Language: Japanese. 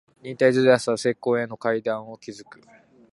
忍耐強さは成功への階段を築く